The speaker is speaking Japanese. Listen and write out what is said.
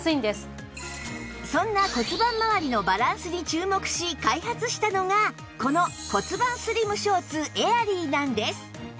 そんな骨盤まわりのバランスに注目し開発したのがこの骨盤スリムショーツエアリーなんです